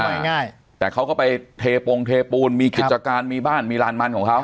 ง่ายง่ายแต่เขาก็ไปเทปงเทปูนมีกิจการมีบ้านมีลานมันของเขา